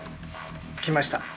きました。